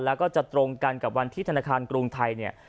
และจะตรงกันกับวันที่ธนาคารกรุงไทย